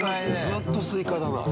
ずっとスイカだな。